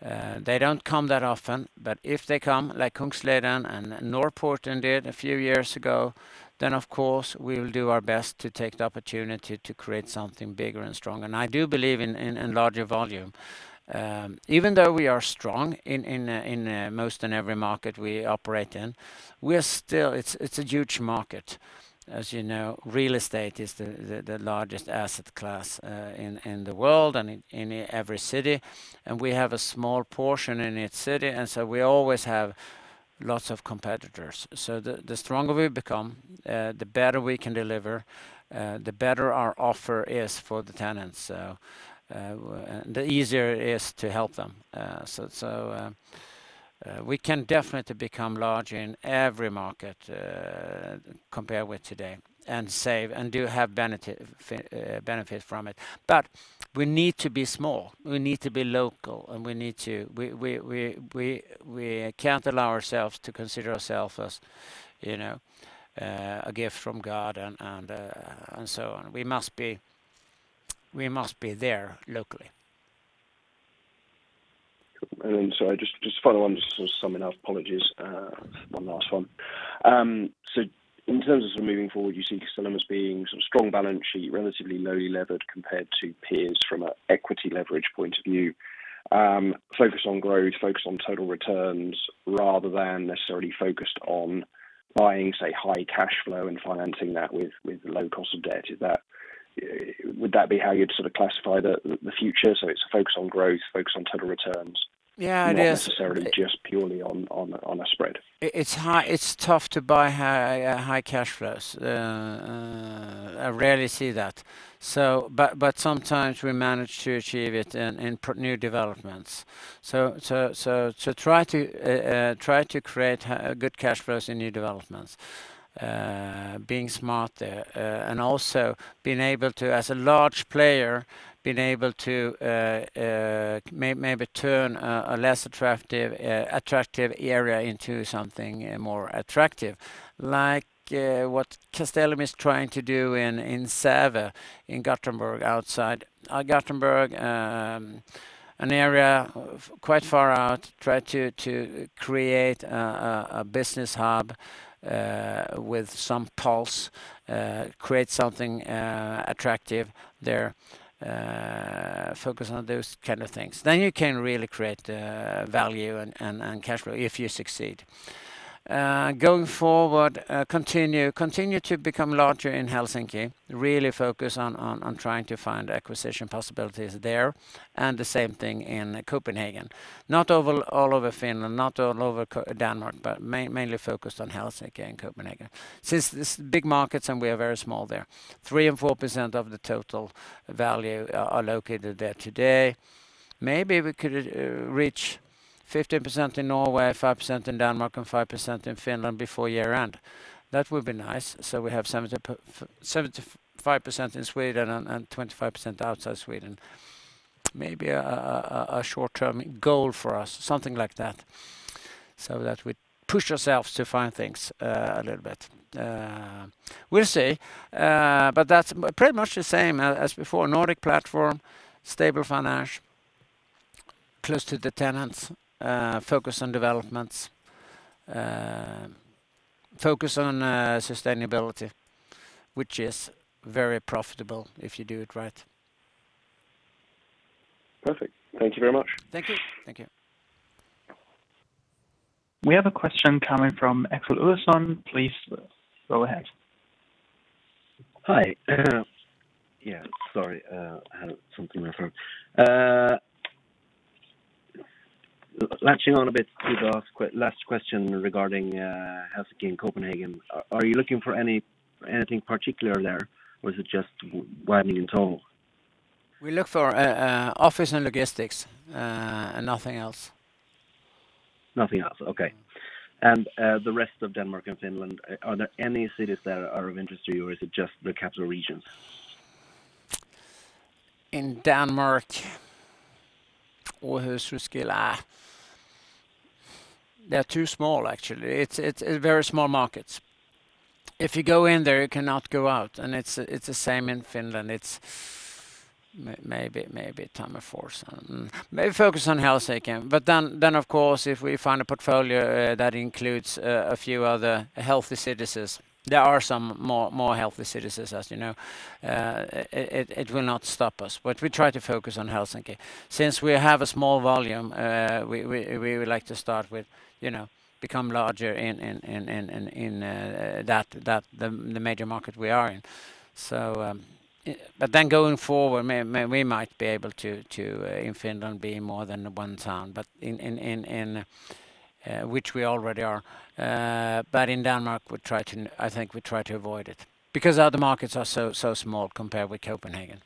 They don't come that often. If they come like Kungsleden and Norrporten did a few years ago, then of course, we'll do our best to take the opportunity to create something bigger and stronger. I do believe in larger volume. Even though we are strong in most and every market we operate in, we are still. It's a huge market. As you know, real estate is the largest asset class in the world and in every city, and we have a small portion in each city, and so we always have lots of competitors. The stronger we become, the better we can deliver, the better our offer is for the tenants. The easier it is to help them. We can definitely become larger in every market compared with today and save and do have benefit from it. We need to be small, we need to be local, and we can't allow ourselves to consider ourselves as, you know, a gift from God and so on. We must be there locally. Cool. Just follow on, just to sum it up. Apologies. One last one. In terms of moving forward, you see Castellum as being a strong balance sheet, relatively lowly levered compared to peers from an equity leverage point of view, focused on growth, focused on total returns, rather than necessarily focused on buying, say, high cash flow and financing that with low cost of debt. Is that? Would that be how you'd sort of classify the future? It's focused on growth, focused on total returns. Yeah. It is not necessarily just purely on a spread. It's tough to buy high cash flows. I rarely see that. Sometimes we manage to achieve it in new developments, try to create good cash flows in new developments, being smart there, and also being able to, as a large player, being able to maybe turn a less attractive area into something more attractive. Like what Castellum is trying to do in Säve, in Gothenburg, outside Gothenburg, an area quite far out, try to create a business hub with some pulse, create something attractive there, focus on those kind of things. Then you can really create value and cash flow if you succeed. Going forward, continue to become larger in Helsinki. Really focus on trying to find acquisition possibilities there, and the same thing in Copenhagen. Not all over Finland, not all over Denmark, but mainly focused on Helsinki and Copenhagen. Since it's big markets and we are very small there. 3% and 4% of the total value are located there today. Maybe we could reach 15% in Norway, 5% in Denmark, and 5% in Finland before year-end. That would be nice. We have 75% in Sweden and 25% outside Sweden. Maybe a short-term goal for us, something like that, so that we push ourselves to find things a little bit. We'll see. That's pretty much the same as before. Nordic platform, stable finance, close to the tenants, focus on developments, focus on sustainability, which is very profitable if you do it right. Perfect. Thank you very much. Thank you. Thank you. We have a question coming from Axel Ragnarsson. Please go ahead. Hi. Yeah, sorry. Had something in my throat. Latching on a bit to the last question regarding Helsinki and Copenhagen. Are you looking for anything particular there, or is it just widening in total? We look for office and logistics and nothing else. Nothing else. Okay. The rest of Denmark and Finland, are there any cities that are of interest to you, or is it just the capital regions? In Denmark, Aarhus, Roskilde, they're too small, actually. It's very small markets. If you go in there, you cannot go out, and it's the same in Finland. It's maybe Tampere. Maybe focus on Helsinki. Of course, if we find a portfolio that includes a few other healthy cities. There are some more healthy cities, as you know. It will not stop us. We try to focus on Helsinki. Since we have a small volume, we would like to start with, you know, become larger in that the major market we are in. Going forward, we might be able to in Finland be more than the one town, but in which we already are. In Denmark, I think we try to avoid it because other markets are so small compared with Copenhagen.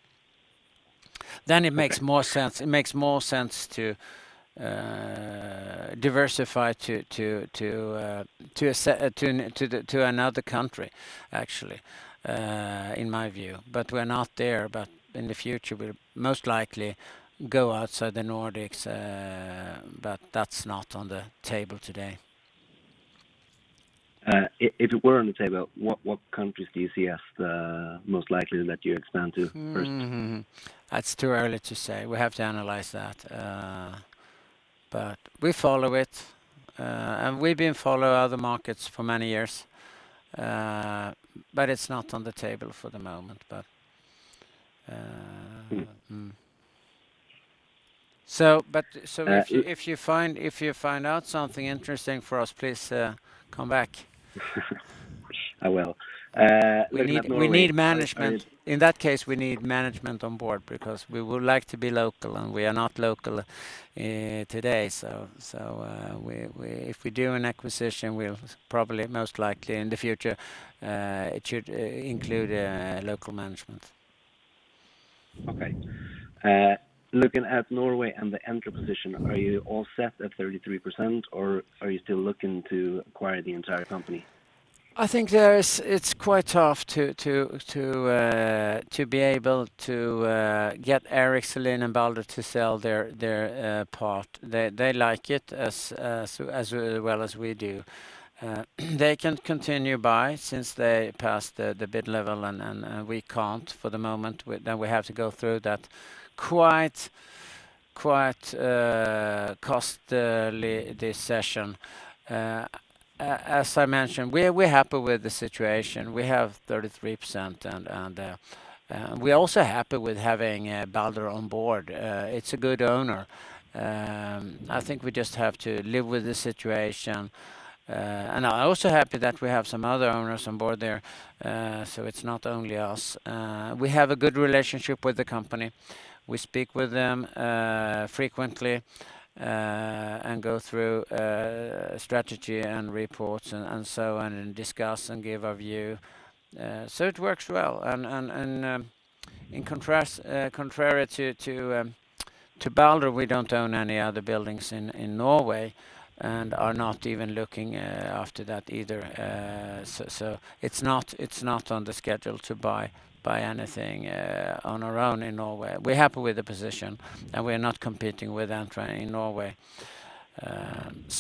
Okay. It makes more sense to diversify to another country, actually, in my view. We're not there, but in the future, we'll most likely go outside the Nordics, but that's not on the table today. If it were on the table, what countries do you see as the most likely that you expand to first? It's too early to say. We have to analyze that. We follow it, and we've been following other markets for many years, but it's not on the table for the moment. Mm. Mm. So, but, so if you- Uh- If you find out something interesting for us, please, come back. I will. Looking at Norway, We need management. In that case, we need management on board because we would like to be local, and we are not local today. If we do an acquisition, we'll probably most likely in the future, it should include local management. Okay. Looking at Norway and the Entra position, are you all set at 33%, or are you still looking to acquire the entire company? I think it's quite tough to be able to get Erik Selin and Balder to sell their part. They like it as well as we do. They can continue buy since they passed the bid level, and we can't for the moment. We have to go through that quite costly decision. As I mentioned, we're happy with the situation. We have 33% and we're also happy with having Balder on board. It's a good owner. I think we just have to live with the situation. I'm also happy that we have some other owners on board there, so it's not only us. We have a good relationship with the company. We speak with them frequently and go through strategy and reports and so on and discuss and give our view. It works well. In contrast, contrary to Balder, we don't own any other buildings in Norway and are not even looking after that either. It's not on the schedule to buy anything on our own in Norway. We're happy with the position, and we are not competing with Entra in Norway.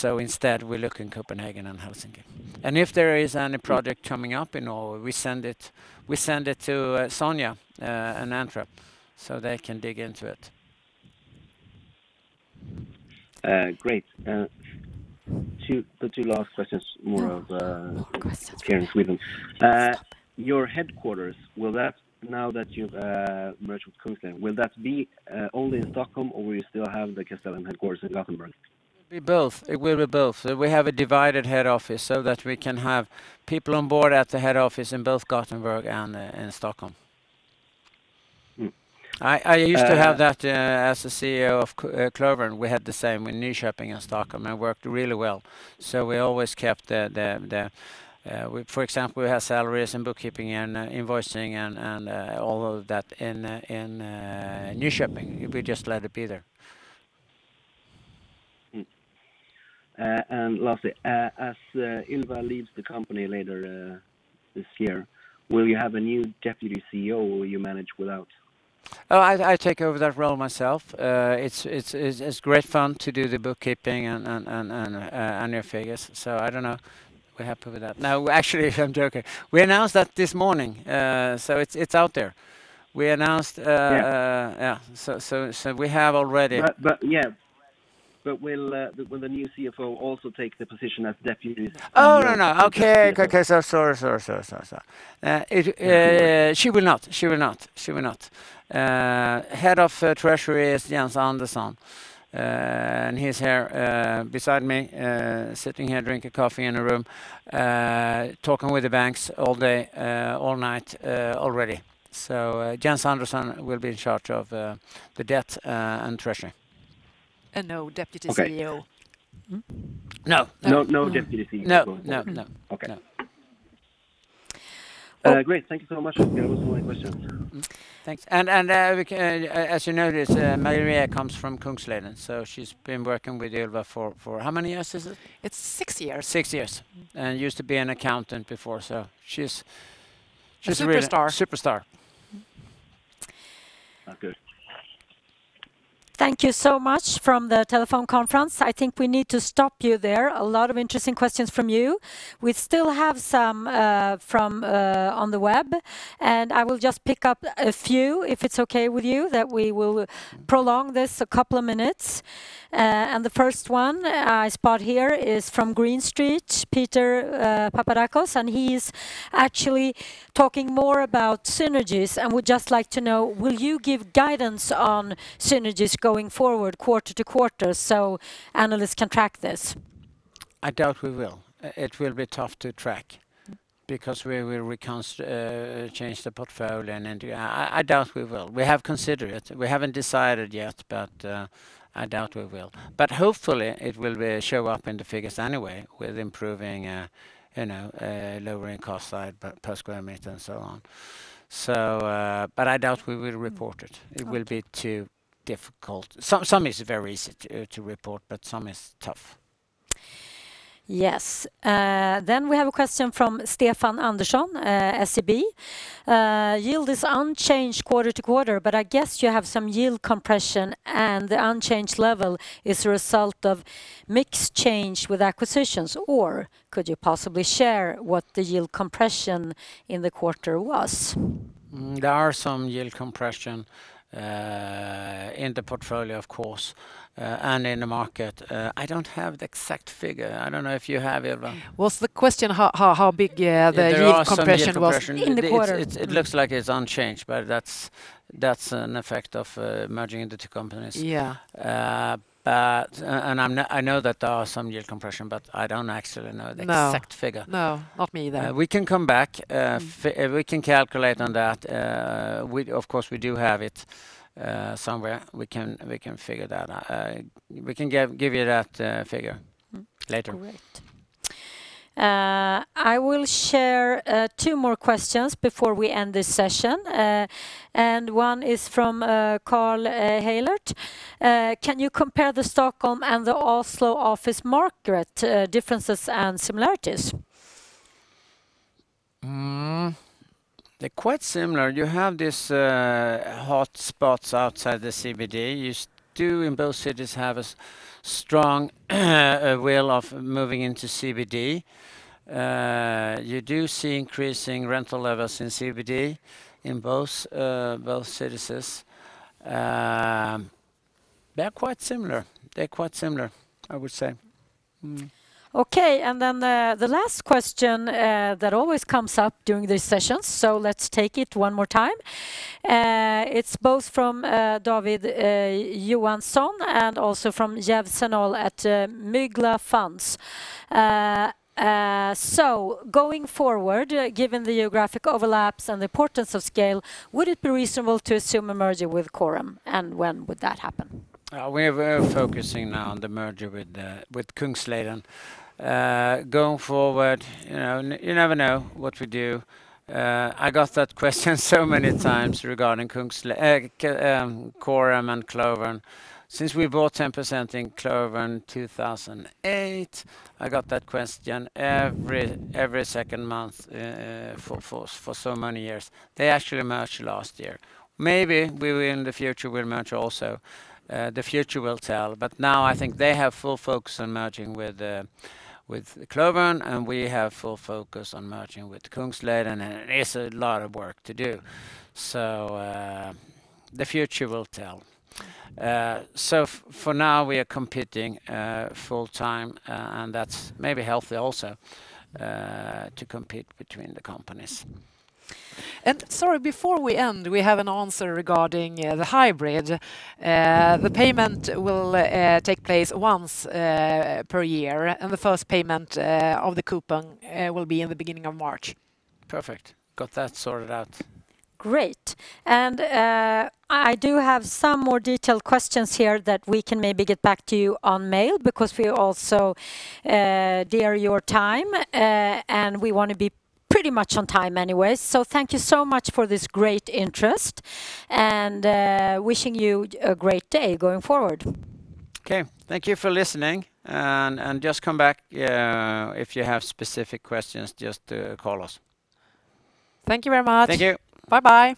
Instead, we look in Copenhagen and Helsinki. If there is any project coming up in Norway, we send it to Sonja and Entra, so they can dig into it. The two last questions more of. No more questions. Here in Sweden. Your headquarters, now that you've merged with Kungsleden, will that be only in Stockholm or will you still have the Castellum headquarters in Gothenburg? It will be both. We have a divided head office so that we can have people on board at the head office in both Gothenburg and in Stockholm. Mm. I- Uh- Used to have that as the CEO of Klövern. We had the same in Nyköping and Stockholm. It worked really well. We always kept, for example, salaries and bookkeeping and invoicing and all of that in Nyköping. We just let it be there. Lastly, as Ylva leaves the company later this year, will you have a new Deputy CEO or will you manage without? Oh, I take over that role myself. It's great fun to do the bookkeeping and annual figures. I don't know. We're happy with that. No, actually I'm joking. We announced that this morning, so it's out there. Yeah We have already. Will the new CFO also take the position as Deputy CEO? Oh, no. Okay. Sorry. Thank you. She will not. Head of Treasury is Jens Andersson. He's here beside me, sitting here drinking coffee in a room, talking with the banks all day, all night, already. Jens Andersson will be in charge of the debt and treasury. No deputy CEO. Okay. No. No. No, no Deputy CEO going forward. No, no. Okay. No. Great. Thank you so much. Those were my questions. Thanks. We can, as you noticed, Maria comes from Kungsleden, so she's been working with Ylva for how many years is it? It's six years. Six years. Used to be an accountant before, so she's really- A superstar. superstar. Oh, good. Thank you so much for the telephone conference. I think we need to stop you there. A lot of interesting questions from you. We still have some from the web, and I will just pick up a few if it's okay with you that we will prolong this a couple of minutes. The first one I spot here is from Green Street, Peter Papadakos, and he is actually talking more about synergies and would just like to know, will you give guidance on synergies going forward quarter to quarter so analysts can track this? I doubt we will. It will be tough to track because we will change the portfolio. I doubt we will. We have considered it. We haven't decided yet, but I doubt we will. Hopefully it will show up in the figures anyway with improving, you know, lowering costs per square meter and so on. I doubt we will report it. It will be too difficult. Some is very easy to report, but some is tough. Yes. We have a question from Stefan Andersson, SEB. Yield is unchanged quarter to quarter, but I guess you have some yield compression and the unchanged level is a result of mix change with acquisitions. Could you possibly share what the yield compression in the quarter was? There are some yield compression in the portfolio, of course, and in the market. I don't have the exact figure. I don't know if you have, Ylva. Was the question how big the yield compression was? There are some yield compression. in the quarter? It looks like it's unchanged, but that's an effect of merging the two companies. Yeah. I'm not, I know that there are some yield compression, but I don't actually know the exact figure. No. No, not me either. We can come back. We can calculate on that. Of course, we do have it somewhere. We can figure that out. We can give you that figure later. Great. I will share two more questions before we end this session. One is from Carl Hjort. Can you compare the Stockholm and the Oslo office market differences and similarities? They're quite similar. You have this hotspots outside the CBD. You do in both cities have a strong will of moving into CBD. You do see increasing rental levels in CBD in both cities. They are quite similar. They're quite similar I would say. Okay. The last question that always comes up during these sessions, let's take it one more time. It's both from David Johansson and also from Jeff Senol at Mirabella Funds. Going forward, given the geographic overlaps and the importance of scale, would it be reasonable to assume a merger with Fabege, and when would that happen? We're focusing now on the merger with Kungsleden. Going forward, you know, you never know what we do. I got that question so many times regarding Fabege and Klövern. Since we bought 10% in Klövern in 2008, I got that question every second month for so many years. They actually merged last year. Maybe we will in the future merge also. The future will tell, but now I think they have full focus on merging with Klövern, and we have full focus on merging with Kungsleden, and it is a lot of work to do. The future will tell. For now, we are competing full time, and that's maybe healthy also to compete between the companies. Sorry, before we end, we have an answer regarding the hybrid. The payment will take place once per year, and the first payment of the coupon will be in the beginning of March. Perfect. Got that sorted out. Great. I do have some more detailed questions here that we can maybe get back to you by email because we also value your time, and we wanna be pretty much on time anyways. Thank you so much for this great interest, and wishing you a great day going forward. Okay. Thank you for listening and just come back if you have specific questions, just call us. Thank you very much. Thank you. Bye-bye.